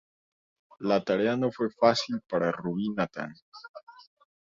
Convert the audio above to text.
La tarea no fue fácil para el Rabí Natán.